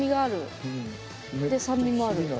で酸味もある。